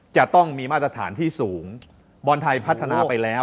จะต้องมีมาตรฐานที่สูงบอลไทยพัฒนาไปแล้ว